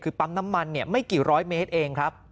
คือปั๊มน้ำมันไม่กี่ร้อยเมตรเองครับ